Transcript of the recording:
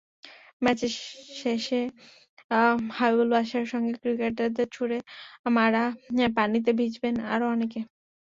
Match শেষে হাবিবুল বাশারের সঙ্গে ক্রিকেটারদের ছুড়ে মারা পানিতে ভিজবেন আরও অনেকে।